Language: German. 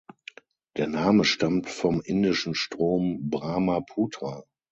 Der Name stammt vom indischen Strom Brahmaputra.